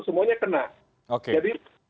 semuanya kena jadi